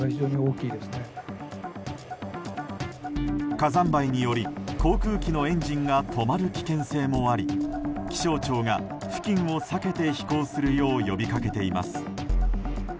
火山灰により航空機のエンジンが止まる危険性もあり気象庁が付近を避けて飛行するよう呼びかけています。